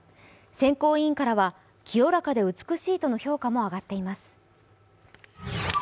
選考委員からは清らかで美しいとの評価も上がっています。